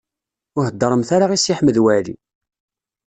Ur heddṛemt ara i Si Ḥmed Waɛli.